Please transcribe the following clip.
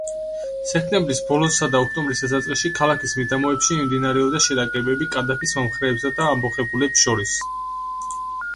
სექტემბრის ბოლოსა და ოქტომბრის დასაწყისში, ქალაქის მიდამოებში მიმდინარეობდა შეტაკებები კადაფის მომხრეებსა და ამბოხებულებს შორის.